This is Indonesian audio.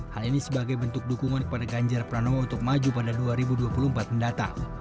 hal ini sebagai bentuk dukungan kepada ganjar pranowo untuk maju pada dua ribu dua puluh empat mendatang